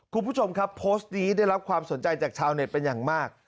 คุณผู้ชมครับโพสต์นี้ได้รับความสนใจจากชาวเน็ตเป็นอย่างมาก